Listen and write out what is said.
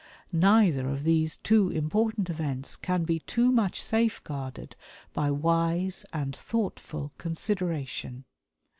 Neither of these two important events can be too much safeguarded by wise and thoughtful consideration.